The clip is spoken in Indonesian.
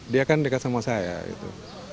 dia kan dekat sama saya gitu